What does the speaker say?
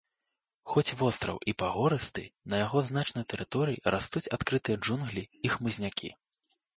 Хоць востраў і пагорысты, на яго значнай тэрыторыі растуць адкрытыя джунглі і хмызнякі.